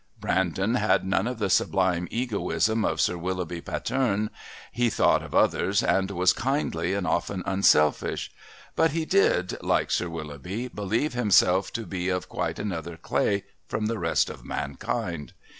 Brandon had none of the sublime egoism of Sir Willoughby Patterne he thought of others and was kindly and often unselfish but he did, like Sir Willoughby, believe himself to be of quite another clay from the rest of mankind.